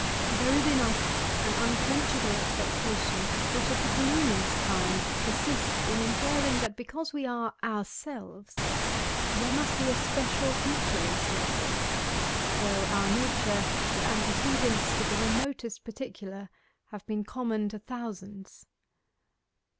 There is in us an unquenchable expectation, which at the gloomiest time persists in inferring that because we are ourselves, there must be a special future in store for us, though our nature and antecedents to the remotest particular have been common to thousands.